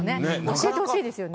教えてほしいですよね。